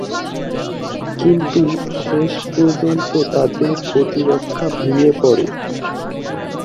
কিন্তু শেষ পর্যন্ত তাদের প্রতিরক্ষা ভেঙে পড়ে।